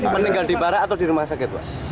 meninggal di barak atau di rumah sakit pak